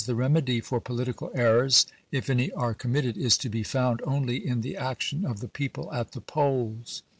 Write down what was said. the remedy for political errors, if any are com mitted, is to be found only in the action of the people at the polls."